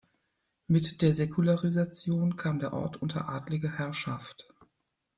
Mit der Säkularisation kam der Ort unter adlige Herrschaft.